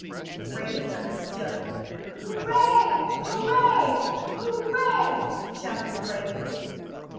The rays understood! "Hoo ray! Hoo ray Hoo ray!" shouted the rays.